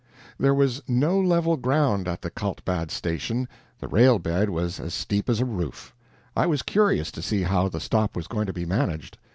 There was no level ground at the Kaltbad station; the railbed was as steep as a roof; I was curious to see how the stop was going to be managed.